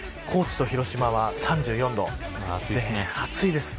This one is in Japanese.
高知と広島は３４度暑いです。